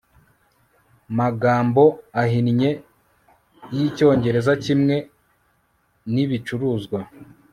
magambo ahinnye y icyongereza kimwe n ibicuruzwa